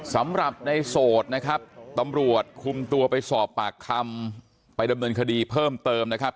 สำหรับในโสดนะครับตำรวจคุมตัวไปสอบปากคำไปดำเนินคดีเพิ่มเติมนะครับ